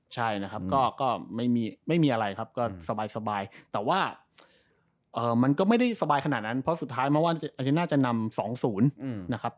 ใช่นะครับก็ไม่มีอะไรครับก็สบายแต่ว่ามันก็ไม่ได้สบายขนาดนั้นเพราะสุดท้ายแม้ว่าอาเจนน่าจะนำ๒๐นะครับ